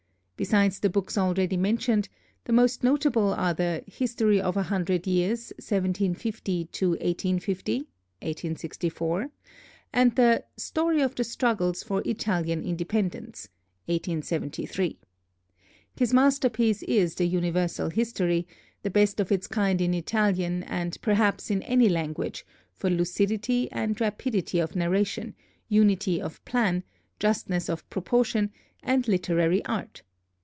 Besides the books already mentioned, the most notable are the 'History of a Hundred Years, 1750 1850' (1864), and the 'Story of the Struggles for Italian Independence' (1873). His masterpiece is the 'Universal History,' the best work of its kind in Italian and perhaps in any language for lucidity and rapidity of narration, unity of plan, justness of proportion, and literary art.